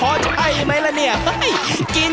เอาให้ก่อนมาเล่มแสง